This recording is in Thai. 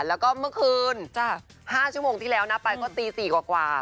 แล้วก็เมื่อคืน๕ชั่วโมงที่แล้วนะไปก็ตี๔กว่า